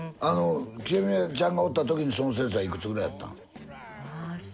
ちえみちゃんがおったときにその先生はいくつくらいやったん？